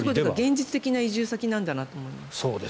現実的な移住先なんだなと思います。